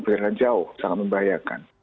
berada jauh sangat membahayakan